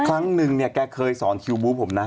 ครั้งหนึ่งแกเคยสอนคิวบู๊บผมนะ